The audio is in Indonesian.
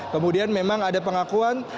kemudian memang ada pengakuan